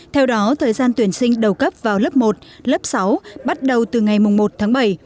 theo đó thời gian tuyển sinh đầu cấp vào lớp một lớp sáu bắt đầu từ ngày một tháng bảy